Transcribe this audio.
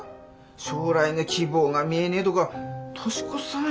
将来に希望が見えねえとか十志子さん